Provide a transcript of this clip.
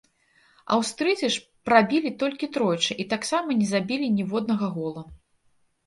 Аўстрыйцы ж прабілі толькі тройчы, і таксама не забілі ніводнага гола.